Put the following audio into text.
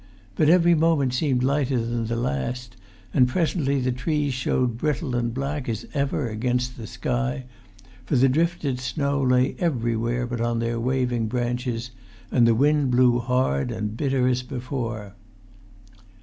But every moment seemed lighter than the last, and presently the trees showed brittle and black as ever against the sky; for the drifted snow lay everywhere but on their waving branches; and the wind blew hard and bitter as before.